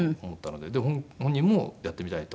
で本人もやってみたいと。